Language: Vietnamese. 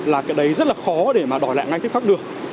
là cái đấy rất là khó để mà đòi lại ngay tiếp khắc được